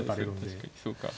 確かにそうか。